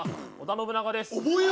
織田信長です